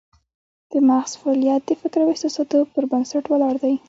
د مغز فعالیت د فکر او احساساتو پر بنسټ ولاړ دی